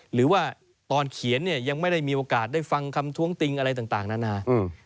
หรือว่าตอนเขียนเนี่ยยังไม่ได้มีโอกาสได้ฟังคำท้วงติงอะไรต่างนานา